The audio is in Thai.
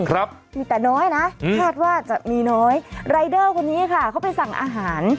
ครับมีแต่น้อยนะคาดว่าจะมีน้อยรายเดอร์คนนี้ค่ะเขาไปสั่งอาหาร